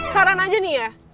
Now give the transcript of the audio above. saran aja nih ya